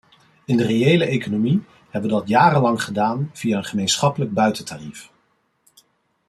In de reële economie hebben we dat jarenlang gedaan via een gemeenschappelijk buitentarief.